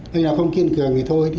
thế nào không kiên cường thì thôi đi